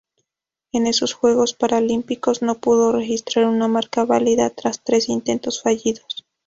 En esos Juegos Paralímpicos no pudo registrar una marca válida tras tres intentos fallidos.